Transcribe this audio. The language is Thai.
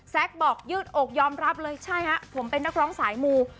บอกยืดอกยอมรับเลยใช่ฮะผมเป็นนักร้องสายมู